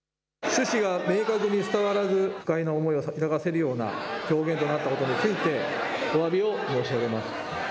趣旨が明確に伝わらず不快な思いを抱かせるような表現となったことについておわびを申し上げます。